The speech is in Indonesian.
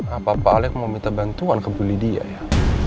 apa pak alex mau minta bantuan ke beli dia ya